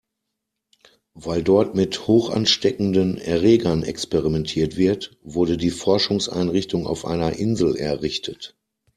Weil dort mit hochansteckenden Erregern experimentiert wird, wurde die Forschungseinrichtung auf einer Insel errichtet.